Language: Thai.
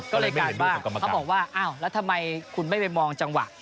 ก็เลยกลายว่าเขาบอกว่าอ้าวแล้วทำไมคุณไม่ไปมองจังหวะ